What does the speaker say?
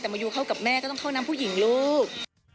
แต่มายูเข้ากับแม่ก็ต้องเข้าน้ำผู้หญิงลูก